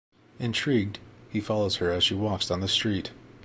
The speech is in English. Intrigued, he follows her as she walks down the street.